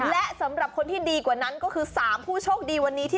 และสำหรับคนที่ดีกว่านั้นก็คือ๓ผู้โชคดีวันนี้ที่